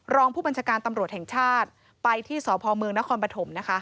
รองผู้ปัญชการตำรวจแห่งชาติไปที่สพเนขปธ